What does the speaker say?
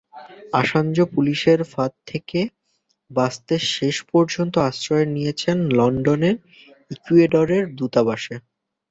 Assange পুলিশের ফাঁদ থেকে বাঁচতে শেষ পর্যন্ত আশ্রয় নিয়েছেন লন্ডনে ইকুয়েডরের দূতাবাসে।